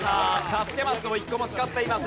助けマスを１個も使っていません。